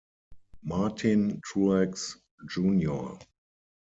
Martin Truex Jr.